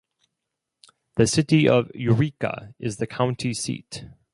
The city of Eureka is the county seat.